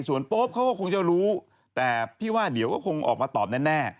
ส่วนโป๊ปเขาก็คงจะรู้แต่พี่ว่าเดี๋ยวก็คงออกมาตอบแน่